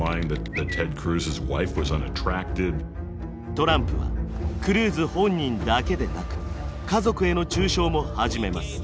トランプはクルーズ本人だけでなく家族への中傷も始めます。